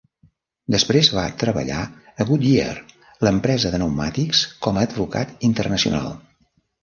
Després va treballar a Goodyear, l'empresa de pneumàtics, com a advocat internacional.